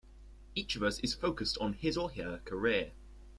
Each of us is focused on his or her career.